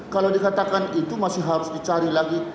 kalau dikatakan itu masih harus dicari lagi